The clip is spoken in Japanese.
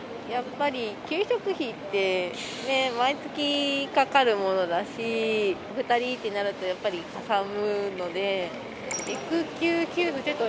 給食費って毎月かかるものだし、２人ってなるとやっぱりかさむので。